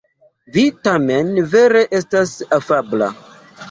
Vi tamen vere estas afabla.